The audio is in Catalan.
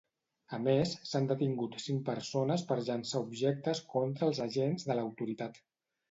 A més, s'han detingut cinc persones per llançar objectes contra els agents de l'autoritat.